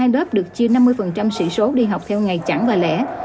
ba mươi hai lớp được chia năm mươi sỉ số đi học theo ngày chẳng và lẻ